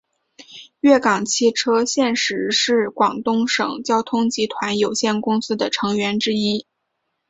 粤港汽车现时是广东省交通集团有限公司的成员之一。